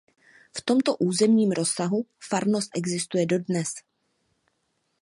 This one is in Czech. V tomto územním rozsahu farnost existuje dodnes.